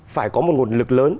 phải có một nguồn lực lớn